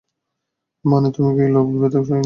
মানে, তুমি কি লোকভেদে ভিন্ন আচরণ করো?